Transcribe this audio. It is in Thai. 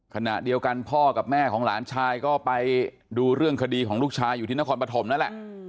ขณะเดียวกันพ่อกับแม่ของหลานชายก็ไปดูเรื่องคดีของลูกชายอยู่ที่นครปฐมนั่นแหละ